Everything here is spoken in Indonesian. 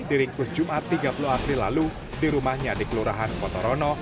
diringkus jumat tiga puluh april lalu di rumahnya di kelurahan potorono